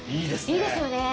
いいですよね